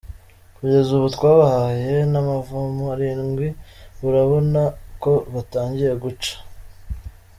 Kugeza ubu twabahaye n’amavomo arindwi murabona ko batangiye guca.